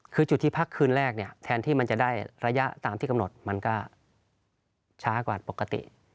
คือจุดที่พักคืนแรกเนี่ยแทนที่มันจะได้ระยะตามที่กำหนดมันก็ช้ากว่าปกติ